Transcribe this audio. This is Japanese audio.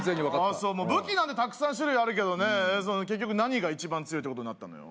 あそう武器なんてたくさん種類あるけどねその結局何が一番強いってことになったのよ